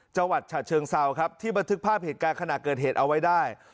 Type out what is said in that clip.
จังหวัดฉะเชิงเซาครับที่บันทึกภาพเหตุการณ์ขณะเกิดเหตุเอาไว้ได้